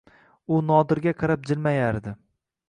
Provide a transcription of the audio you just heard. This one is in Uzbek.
U Nodirga qarab jilmayardi.